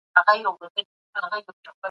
موږ باید د ماشومانو پوښتنو ته سم ځوابونه ورکړو.